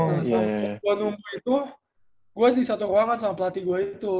gue nunggu itu gue di satu ruangan sama pelatih gue itu